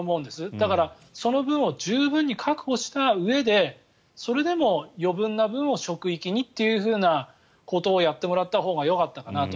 だから、その分を十分に確保したうえでそれでも余分な分を職域にということをやってもらったほうがよかったかなと。